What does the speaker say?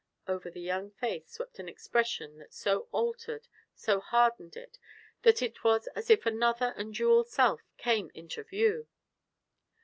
Over the young face swept an expression that so altered, so hardened it, that it was as if another and dual self came into view.